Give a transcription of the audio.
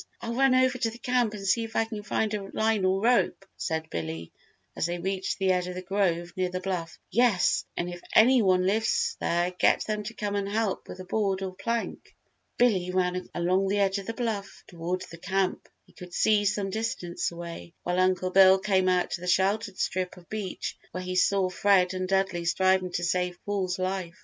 "I'll run over to the camp and see if I can find a line or rope," said Billy, as they reached the edge of the grove near the bluff. "Yes, and if any one lives there get them to come and help with a board or plank!" Billy ran along the edge of the bluff toward the camp he could see some distance away, while Uncle Bill came out to the sheltered strip of beach where he saw Fred and Dudley striving to save Paul's life.